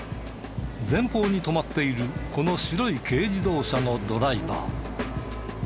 前方に止まっているこの白い軽自動車のドライバー。